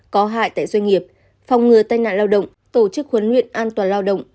có hại tại doanh nghiệp phòng ngừa tai nạn lao động tổ chức huấn luyện an toàn lao động